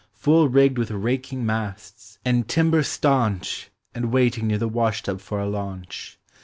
Full rigged with raking masts, and timbers stanch. And waiting near the wash tub for a launch.